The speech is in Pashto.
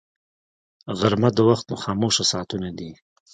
غرمه د وخت خاموش ساعتونه دي